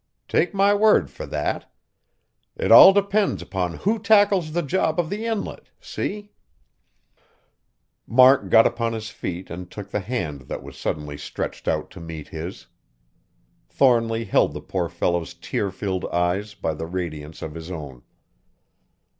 Take my word for that. It all depends upon who tackles the job of the inlet, see?" Mark got upon his feet and took the hand that was suddenly stretched out to meet his. Thornly held the poor fellow's tear filled eyes by the radiance of his own.